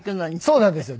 そうなんですよ。